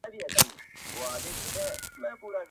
ډېر پخوا په ډېرو لیري زمانو کي!!